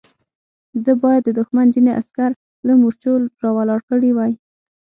ده بايد د دښمن ځينې عسکر له مورچو را ولاړ کړي وای.